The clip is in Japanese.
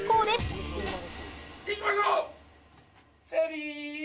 いきましょう！